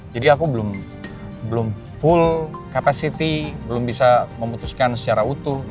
jadi aku belum full capacity belum bisa memutuskan secara utuh